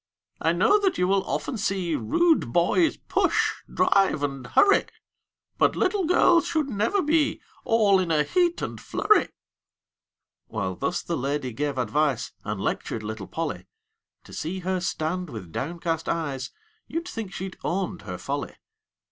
I know that you will often see Rude boys push, drive, and hurry; But little girls should never be All in a heat and flurry." While thus the lady gave advice And lectured little Polly, To see her stand with downcast eyes, You'd think she'd owned her folly.